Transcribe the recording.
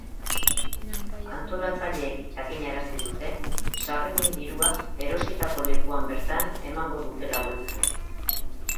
Antolatzaileek jakinarazi dute sarreren dirua erositako lekuan bertan emango dutela bueltan.